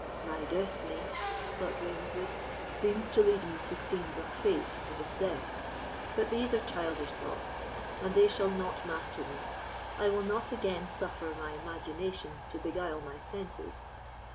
"My destiny," thought Ravenswood, "seems to lead me to scenes of fate and of death; but these are childish thoughts, and they shall not master me. I will not again suffer my imagination to beguile my senses."